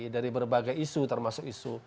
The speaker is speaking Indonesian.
dari berbagai isu termasuk isu